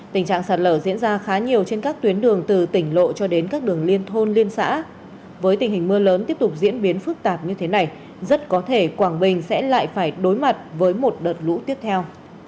tình trạng sạt lở diễn ra khá nhiều trên các tuyến đường từ tỉnh lộ cho đến các đường liên thôn liên xã với tình hình mưa lớn tiếp tục diễn biến phức tạp như thế này rất có thể quảng bình sẽ lại phải đối mặt với một đợt lũ tiếp theo